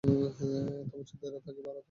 এত বছর ধইরা থাকি, ভাড়াও দেই।